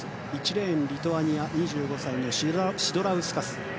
１レーンにリトアニアシドラウスカス。